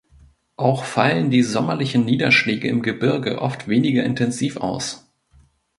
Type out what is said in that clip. Auch fallen die sommerlichen Niederschläge im Gebirge oft weniger intensiv aus.